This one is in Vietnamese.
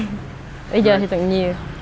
bây giờ thì tận nhiều